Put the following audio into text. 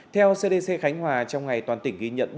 theo cdc khánh hòa trong ngày toàn tỉnh ghi nhận bốn mươi hai ca